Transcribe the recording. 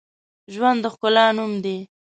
ژوند د ښکلا نوم دی